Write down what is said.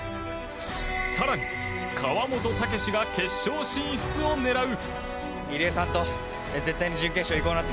更に、川本武史が決勝進出を狙う。